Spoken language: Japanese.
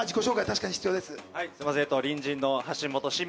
確かに必要です